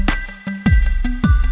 gak ada yang nungguin